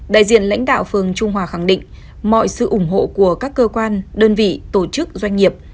đại diện lãnh đạo phường trung hòa khẳng định mọi sự ủng hộ của các cơ quan đơn vị tổ chức doanh nghiệp